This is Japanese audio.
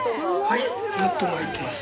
はい、納豆が入ってます。